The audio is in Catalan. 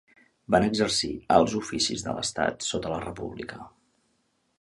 Van exercir alts oficis de l'estat sota la república.